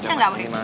ya udah makasih